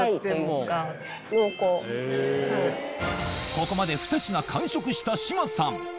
ここまで２品完食した志麻さん